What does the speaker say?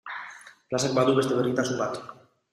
Plazak badu beste berezitasun bat.